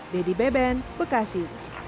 deddy beben bekasi